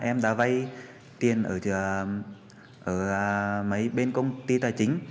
em đã vay tiền ở mấy bên công ty tài chính